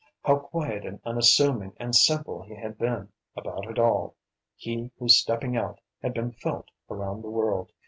How quiet and unassuming and simple he had been about it all he whose stepping out had been felt around the world!